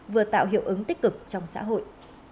vừa tạo hiệu ứng tích cực trong xã hội